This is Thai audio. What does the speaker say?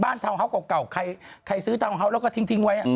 ทาวน์เฮาส์เก่าใครซื้อทาวน์เฮาส์แล้วก็ทิ้งไว้